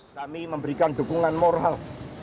kami memberikan dukungan moral